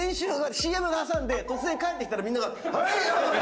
ＣＭ挟んで突然帰ってきたらみんなが。